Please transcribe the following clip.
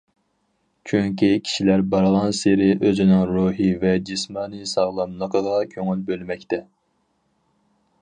چۈنكى كىشىلەر بارغانسېرى ئۆزىنىڭ روھىي ۋە جىسمانىي ساغلاملىقىغا كۆڭۈل بۆلمەكتە.